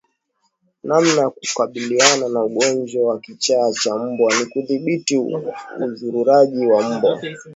Namna ya kukabiliana na ugonjwa wa kichaa cha mbwa ni kudhibiti uzururaji wa mbwa